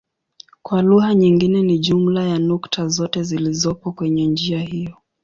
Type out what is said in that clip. Kwa lugha nyingine ni jumla ya nukta zote zilizopo kwenye njia hiyo.